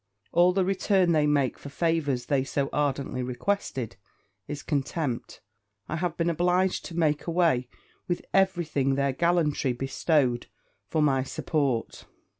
all the return they make for favours they so ardently requested, is contempt. I have been obliged to make away with every thing their gallantry bestowed, for my support.